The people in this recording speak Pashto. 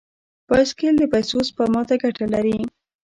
بایسکل د پیسو سپما ته ګټه لري.